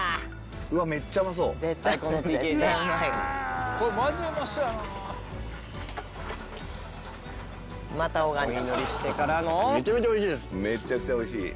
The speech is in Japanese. めちゃくちゃ美味しい。